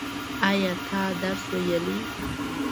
ایا ته درس ویلی؟